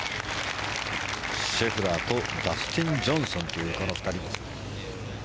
シェフラーとダスティン・ジョンソンというこの２人。